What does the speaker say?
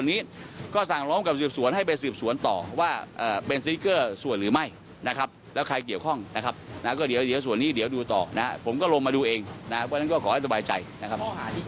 มีข้อหาเรื่องกับการทำลาเบียรักษาในการเอาดินออกครับ